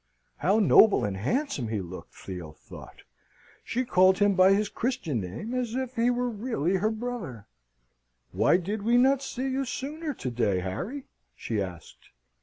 How noble and handsome he looked! Theo thought: she called him by his Christian name, as if he were really her brother. "Why did we not see you sooner to day, Harry?" she asked.